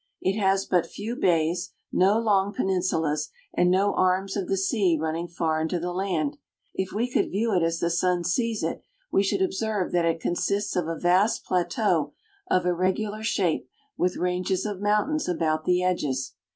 It has but few bays, no long peninsulas, and no arms of the sea running far into the land. If we could view it as the sun sees it, we should observe that it consists of a vast plateau of irregular shape with ranges of mountains about the edges.